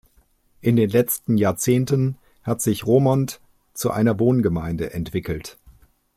In den letzten Jahrzehnten hat sich Romont zu einer Wohngemeinde entwickelt.